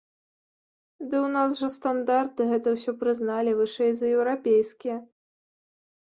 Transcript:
Ды ў нас жа стандарты, гэта ўсё прызналі, вышэй за еўрапейскія!